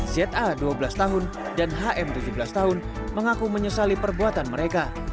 za dua belas tahun dan hm tujuh belas tahun mengaku menyesali perbuatan mereka